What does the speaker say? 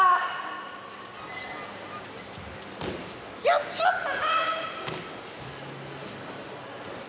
やっちまった！